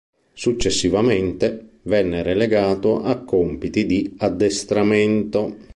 Successivamente, venne relegato a compiti di addestramento.